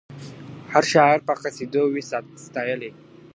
هرشاعر په قصیدو کي وي ستایلی .